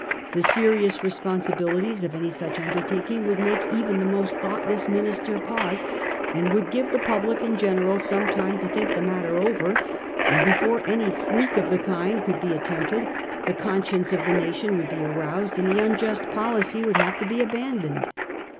The serious responsibilities of any such undertaking would make even the most thoughtless minister pauses and would give the public in general some time to think the matter over ; and before any freak of the kind could be attempted the conscience of the nation would be aroused, and the unjust policy would have to be abandoned.